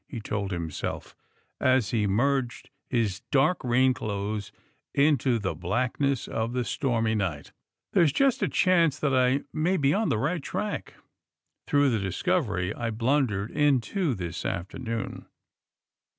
he told himself, as he merged his dark rain clothes into the blackness of the stormy night. *^ There's just a chance that I may be on the right track through the discovery I blundered into this afternoon."